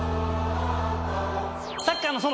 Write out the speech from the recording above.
「サッカーの園」